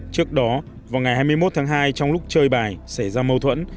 trước đó vào ngày hai mươi một tháng hai trong lúc chơi bài xảy ra mâu thuẫn